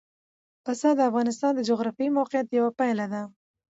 پسه د افغانستان د جغرافیایي موقیعت یوه پایله ده.